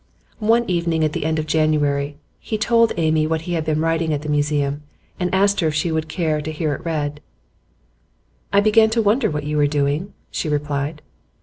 One evening at the end of January he told Amy what he had been writing at the Museum, and asked her if she would care to hear it read. 'I began to wonder what you were doing,' she replied.